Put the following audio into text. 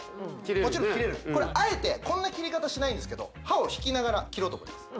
もちろん切れるあえてこんな切り方しないんですけど刃を引きながら切ろうと思います